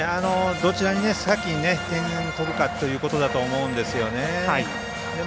どちらが先に点を取るかということだと思うんですよね。